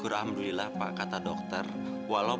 alhamdulillah ya allah ya allah